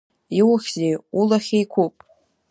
Иухьзеи улахь еиқәуп?